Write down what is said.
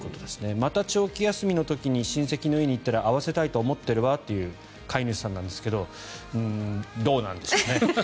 また長期休みの時に親戚の家に行ったら会わせたいと思ってるわという飼い主さんなんですけどどうなんでしょうね。